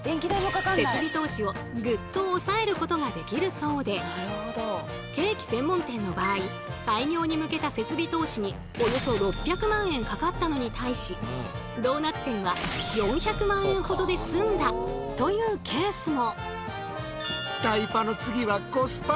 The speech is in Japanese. そのためさらに多くのケーキ専門店の場合開業に向けた設備投資におよそ６００万円かかったのに対しドーナツ店は４００万円ほどで済んだというケースも！